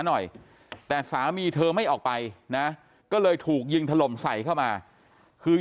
หน่อยแต่สามีเธอไม่ออกไปนะก็เลยถูกยิงถล่มใส่เข้ามาคือ